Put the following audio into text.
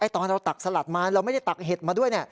ตอนเราตักสลัดมาเราไม่ได้ตักเห็ดมาด้วย